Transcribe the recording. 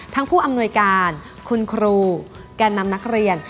ผู้อำนวยการคุณครูแก่นำนักเรียน